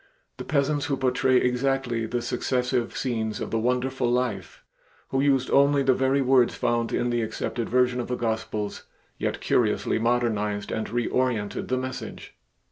The peasants who portrayed exactly the successive scenes of the wonderful Life, who used only the very words found in the accepted version of the Gospels, yet curiously modernized and reorientated the message.